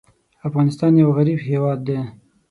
افغانستان یو غریب هېواد دی.